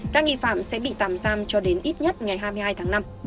các nghi phạm sẽ bị tạm giam cho đến ít nhất ngày hai mươi hai tháng năm